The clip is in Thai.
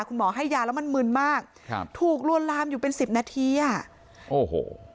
คุณหมอให้ยาแล้วมันมึนมากครับถูกลวนลามอยู่เป็นสิบนาทีอ่ะโอ้โห